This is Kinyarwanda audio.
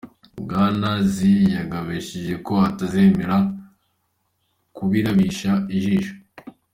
Bwana Xi yagabishije ko atazemera kubirabisha ijisho.